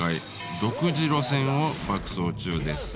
独自路線を爆走中です。